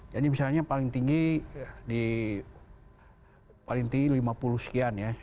jadi misalnya paling tinggi lima puluh sekian ya